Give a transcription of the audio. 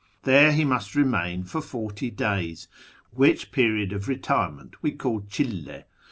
There he must remain for forty days, which period of retirement we call cMlU.